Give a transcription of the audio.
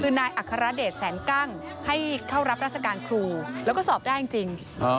คือนายอัครเดชแสนกั้งให้เข้ารับราชการครูแล้วก็สอบได้จริง